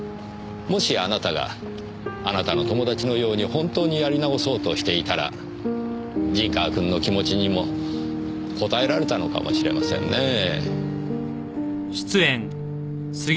もしあなたがあなたの友達のように本当にやり直そうとしていたら陣川君の気持ちにも応えられたのかもしれませんねぇ。